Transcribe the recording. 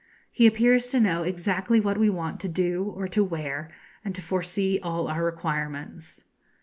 He appears to know exactly what we want to do or to wear, and to foresee all our requirements.